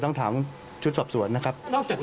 ปอล์กับโรเบิร์ตหน่อยไหมครับ